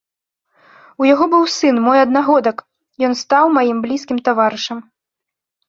У яго быў сын, мой аднагодак, ён стаў маім блізкім таварышам.